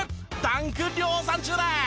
ダンク量産中です！